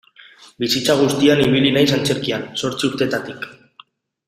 Bizitza guztian ibili naiz antzerkian, zortzi urtetatik.